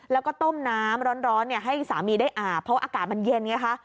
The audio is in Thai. แล้วก็ต้มน้ำร้อนให้สามีได้อาบเพราะว่าอากาศมันเย็นไงคะ